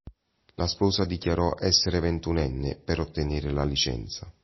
La sposa dichiarò essere ventunenne per ottenere la licenza.